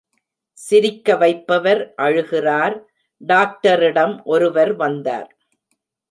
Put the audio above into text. சிரிக்கவைப்பவர் அழுகிறார் டாக்டரிடம் ஒருவர் வந்தார்.